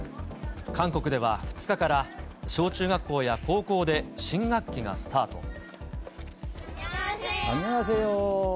韓国では２日から、小中学校や高校で新学期がスタート。